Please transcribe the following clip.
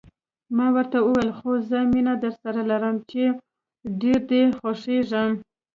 ما ورته وویل: خو زه مینه درسره لرم، چې ډېر دې خوښېږم.